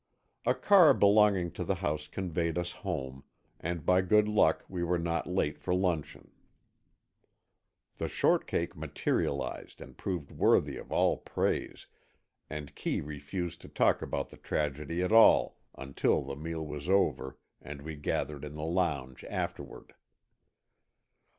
A car belonging to the house conveyed us home, and by good luck we were not late for luncheon. The shortcake materialized and proved worthy of all praise, and Kee refused to talk about the tragedy at all until the meal was over and we gathered in the lounge afterward.